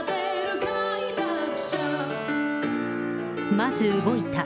まず動いた。